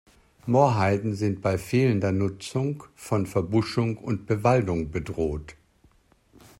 Moorheiden sind bei fehlender Nutzung von Verbuschung und Bewaldung bedroht.